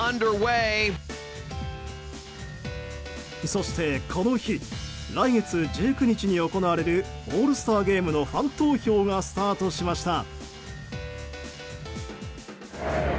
そして、この日来月１９日に行われるオールスターゲームのファン投票がスタートしました。